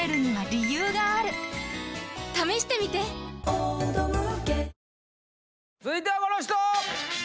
「碧Ａｏ」続いてはこの人！